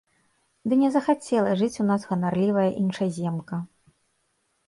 Ды не захацела жыць у нас ганарлівая іншаземка.